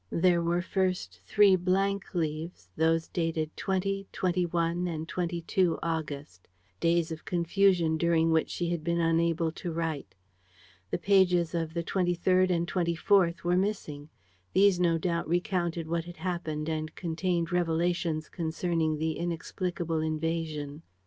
There were first three blank leaves, those dated 20, 21 and 22 August: days of confusion during which she had been unable to write. The pages of the 23rd and 24th were missing. These no doubt recounted what had happened and contained revelations concerning the inexplicable invasion.